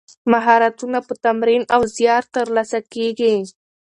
مهارتونه په تمرین او زیار ترلاسه کیږي.